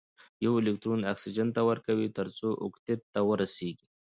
یو الکترون اکسیجن ته ورکوي تر څو اوکتیت ته ورسیږي.